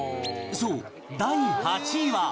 そう第８位は